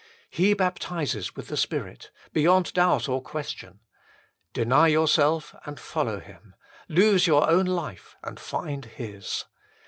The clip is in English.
He baptizes with the Spirit, beyond doubt or question : deny yourself, and follow Him ; lose your own life and find His.